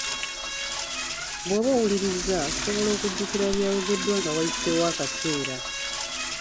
Bw'oba owulirizza, osobola okujjukira ebyayogeddwa nga wayiseeyo akaseera.